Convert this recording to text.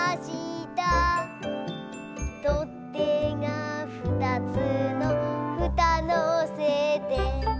「とってがふたつのフタのせて」